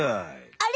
あれ？